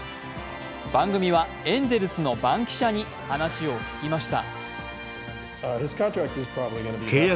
番組はエンゼルスの番記者に話を聞きました。